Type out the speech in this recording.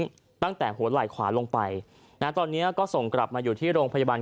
ตั้งแต่หัวไหล่ขวาลงไปนะตอนนี้ก็ส่งกลับมาอยู่ที่โรงพยาบาล